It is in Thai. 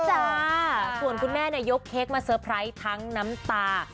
จ้าส่วนคุณแม่เนี่ยยกเค้กมาเตอร์ไพรส์ทั้งน้ำตา